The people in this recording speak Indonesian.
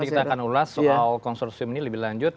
nanti kita akan ulas soal konsorsium ini lebih lanjut